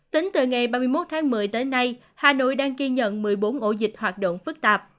tính từ ngày ba mươi một tháng một mươi tới nay hà nội đang ghi nhận một mươi bốn ổ dịch hoạt động phức tạp